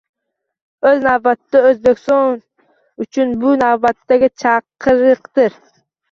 Oʻz navbatida, Oʻzbekiston uchun bu navbatdagi chaqiriqdir.